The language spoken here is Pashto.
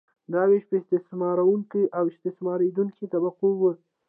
دا ویش په استثمارونکې او استثماریدونکې طبقو وو.